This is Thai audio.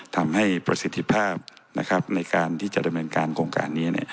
ทำให้ประสิทธิภาพในการที่จะดำเนินการโครงการนี้